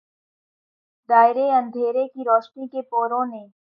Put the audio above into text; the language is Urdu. دائرے اندھیروں کے روشنی کے پوروں نے